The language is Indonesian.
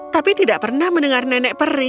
tapi tidak pernah mendengar nenek peri